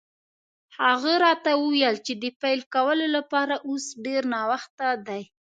هغه راته وویل چې د پیل کولو لپاره اوس ډېر ناوخته دی.